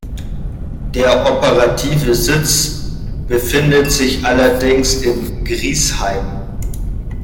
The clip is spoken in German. Der operative Sitz befindet sich allerdings in Griesheim.